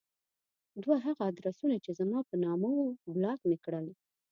دوه هغه ادرسونه چې زما په نامه وو بلاک مې کړل.